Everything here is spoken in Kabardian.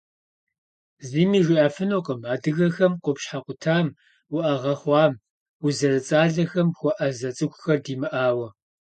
Зыми жиӏэфынукъым адыгэхэм къупщхьэ къутам, уӏэгъэ хъуам, уз зэрыцӏалэхэм хуэӏэзэ цӏыхухэр димыӏауэ.